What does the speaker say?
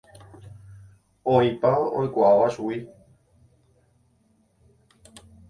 Oĩpa oikuaáva chugui.